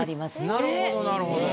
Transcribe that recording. なるほどなるほど。